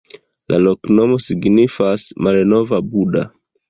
La loknomo signifas: malnova Buda.